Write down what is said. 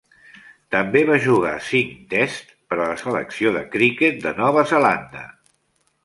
També va jugar cinc "Tests" per a la selecció de criquet de Nova Zelanda.